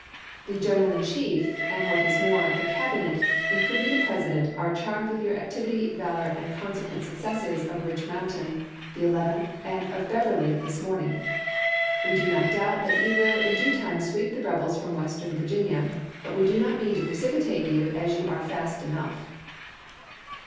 "The General in Chief, and what is more, the Cabinet, including the President, are charmed with your activity, valor, and consequent successes of Rich Mountain the 11th, and of Beverly this morning. We do not doubt that you will in due time sweep the rebels from Western Virginia, but we do not mean to precipitate you as you are fast enough.''